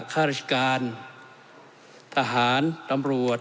ข้าราชการทหารตำรวจ